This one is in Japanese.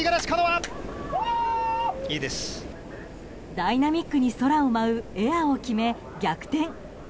ダイナミックに空を舞うエアを決め、逆転。